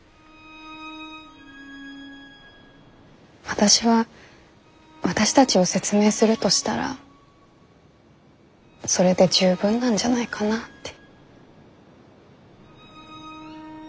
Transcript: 私は私たちを説明するとしたらそれで十分なんじゃないかなって。